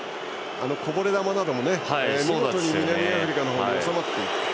こぼれ球なども見事に南アフリカの方に収まっていった。